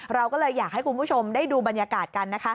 เราก็เลยอยากให้คุณผู้ชมได้ดูบรรยากาศกันนะคะ